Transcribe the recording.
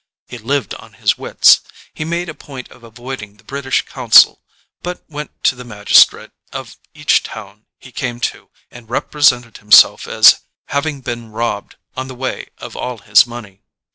He lived on his wits. He made a point of avoiding the British Consul, but went to the magistrate of each town he came to and represented himself as having been robbed on the way of all his money.